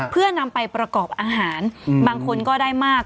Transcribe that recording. เพื่อนำไปประกอบอาหารบางคนก็ได้มาก